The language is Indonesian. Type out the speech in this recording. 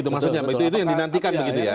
maksudnya begitu yang dinantikan begitu ya